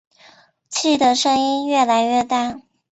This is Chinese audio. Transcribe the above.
气的声音越来越大